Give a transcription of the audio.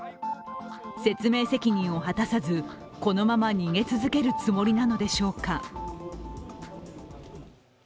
説明責任を果たさず、このまま逃げ続けるつもりなのでしょうか。